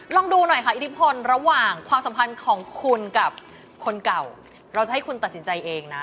ลองดูหน่อยค่ะอิทธิพลระหว่างความสัมพันธ์ของคุณกับคนเก่าเราจะให้คุณตัดสินใจเองนะ